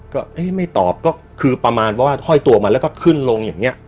ก็ไม่ตอบก็คือประมาณว่าห้อยตัวมาแล้วก็ขึ้นลงอย่างนี้